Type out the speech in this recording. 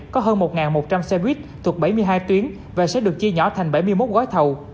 có hơn một một trăm linh xe buýt thuộc bảy mươi hai tuyến và sẽ được chia nhỏ thành bảy mươi một gói thầu